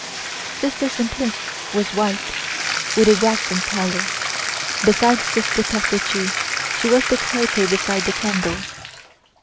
Sister Simplice was white, with a waxen pallor. Beside Sister Perpétue, she was the taper beside the candle.